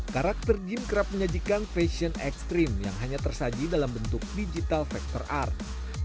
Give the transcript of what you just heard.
karakter gym kerap menyajikan fashion ekstrim yang hanya tersaji dalam bentuk digital factor art